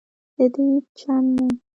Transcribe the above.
ددې چم نه